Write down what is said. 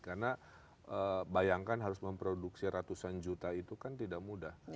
karena bayangkan harus memproduksi ratusan juta itu kan tidak mudah